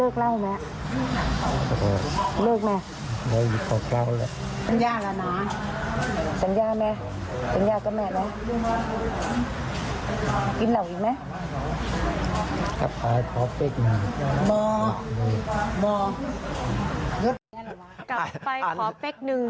กลับไปขอเฟ็กซ์หนึ่ง